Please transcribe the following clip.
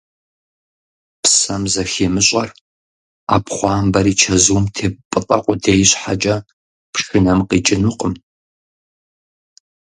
Псэм зыхимыщӀэр, Ӏэпхъуамбэр и чэзум теппӀытӀэ къудей щхьэкӀэ, пшынэм къикӀынукъым.